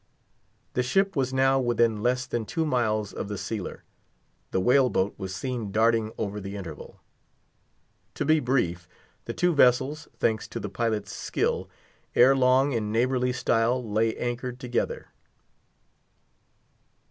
The ship was now within less than two miles of the sealer. The whale boat was seen darting over the interval. To be brief, the two vessels, thanks to the pilot's skill, ere long neighborly style lay anchored together.